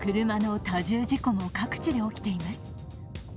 車の多重事故も各地で起きています。